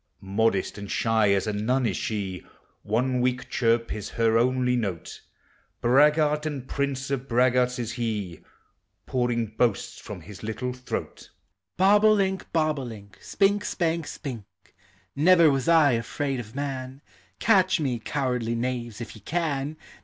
Modest and shy as a nun is she, One weak chirp is her only note, Braggart and prince of braggarts is he, Pouring boasts from his little throat: Bob o' link, bob o' link, Spink, spank, spink; Never was I afraid of man ; Catch me, cowardly knaves, if you can.